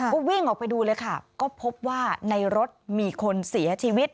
ก็วิ่งออกไปดูเลยค่ะก็พบว่าในรถมีคนเสียชีวิต